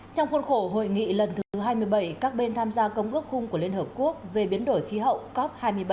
trong khuôn khổ hội nghị lần thứ hai mươi bảy các bên tham gia công ước khung của liên hợp quốc về biến đổi khí hậu cop hai mươi bảy